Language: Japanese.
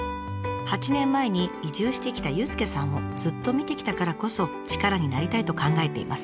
８年前に移住してきた佑介さんをずっと見てきたからこそ力になりたいと考えています。